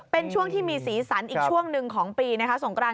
เป็นช่วงที่มีสีสันอีกช่วงหนึ่งของปีนะคะสงกราน